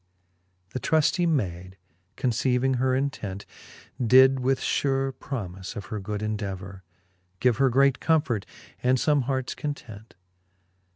XXXV. The truftie mayd, conceiving her intent. Did with fure promife of her good indevour Give her great comfort, and fome harts content.